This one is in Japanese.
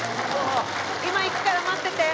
今行くから待ってて。